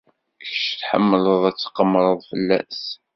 Kečč tḥemmled ad tqemmred fell-as.